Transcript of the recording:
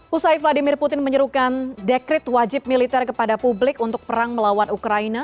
usai vladimir putin menyerukan dekret wajib militer kepada publik untuk perang melawan ukraina